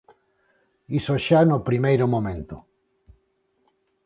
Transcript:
Iso xa no primeiro momento.